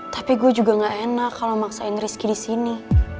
tapi gue juga gak enak kalau maksain rizky disini